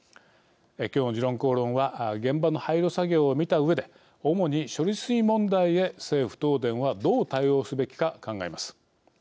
今日の「時論公論」は現場の廃炉作業を見たうえで主に処理水問題へ政府・東電はどう対応すべきか考えます。